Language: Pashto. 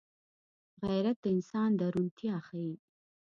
غیرت د انسان درونتيا ښيي